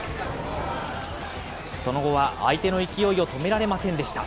その後は相手の勢いを止められませんでした。